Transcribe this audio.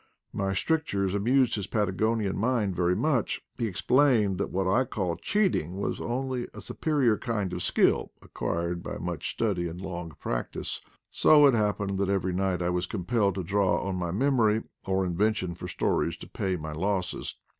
My stric tures amused his Patagonian mind very much; he explained that what I called cheating was only a superior kind of skill acquired by much study and long practice ; so it happened that every night I was compelled to draw on my memory or inven tion for stories to pay my losses.